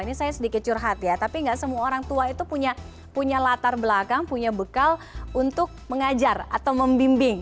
ini saya sedikit curhat ya tapi gak semua orang tua itu punya latar belakang punya bekal untuk mengajar atau membimbing